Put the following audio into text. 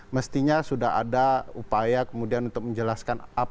mestinya sudah ada upaya kemudian untuk menjelaskan